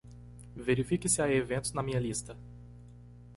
Verifique se há eventos na minha lista.